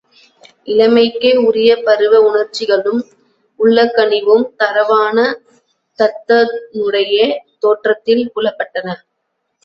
இளமைக்கே உரிய பருவ உணர்ச்சிகளும் உள்ளக்கனிவும் தரவான தத்தனுடைய தோற்றத்தில் புலப்பட்டன.